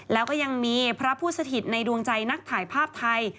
แล้วก็ยังมีพระผู้สถิตในดวงใจนักถ่ายภาพไทย